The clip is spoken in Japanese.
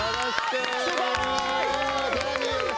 すごい！